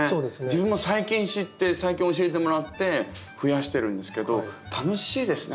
自分も最近知って最近教えてもらって増やしてるんですけど楽しいですね